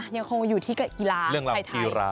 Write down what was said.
ยังคงอยู่ที่กระอีลาไทยไทย